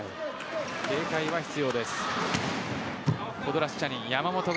警戒は必要です。